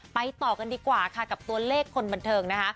ต่อกันดีกว่าค่ะกับตัวเลขคนบันเทิงนะคะ